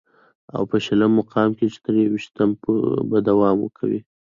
او په شلم مقام چې تر يوویشتمې به دوام کوي